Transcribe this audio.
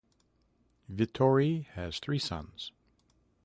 Vittori has three sons.